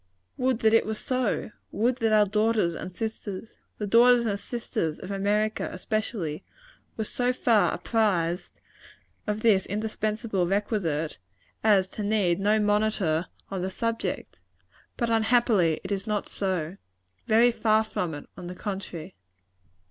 Would that it were so! Would that our daughters and sisters the daughters and sisters of America, especially were so far apprized of this indispensable requisite, as to need no monitor on the subject! But, unhappily, it is not so. Very far from it, on the contrary.